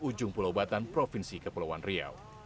ujung pulau batan provinsi kepulauan riau